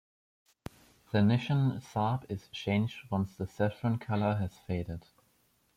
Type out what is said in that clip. The Nishan Sahib is changed once the saffron color has faded.